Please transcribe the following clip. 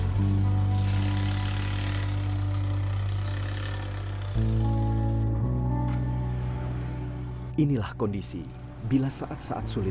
yuapan ahli sepeda motor logos